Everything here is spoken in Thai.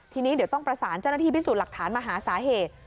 ทีนี้เดี๋ยวต้องประสานเจ้าหน้าที่พิสูจน์หลักฐานมาหาสาเหตุ